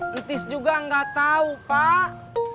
metis juga gak tau pak